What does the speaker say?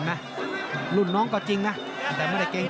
มันต้องอย่างงี้มันต้องอย่างงี้